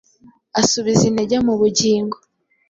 asubiza intege mu bugingo